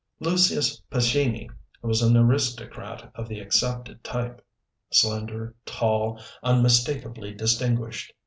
Lucius Pescini was an aristocrat of the accepted type slender, tall, unmistakably distinguished.